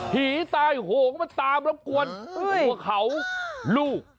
ผีตายโหมาตามนะโกวนคลุงขาว